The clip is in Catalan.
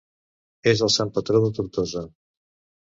És el sant patró de Tortosa.